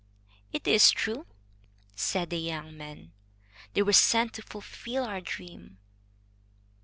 "It is true," said the young man. "They were sent to fulfil our dream."